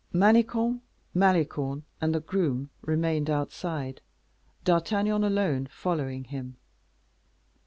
Manicamp, Malicorne, and the groom remained outside, D'Artagnan alone following him.